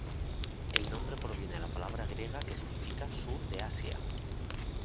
El nombre proviene de la palabra griega que significa 'Sur de Asia'.